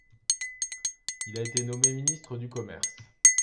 Il a été nommé ministre du Commerce.